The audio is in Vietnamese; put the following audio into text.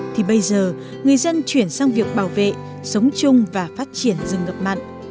thì bây giờ người dân chuyển sang việc bảo vệ sống chung và phát triển rừng ngập mặn